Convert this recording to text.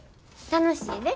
楽しいで。